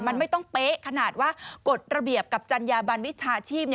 มันไม่ต้องเป๊ะขนาดว่ากฎระเบียบกับจัญญาบันวิชาชีพ